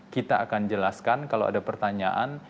kita akan jelaskan kalau ada pertanyaan